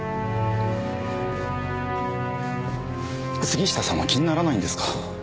杉下さんは気にならないんですか？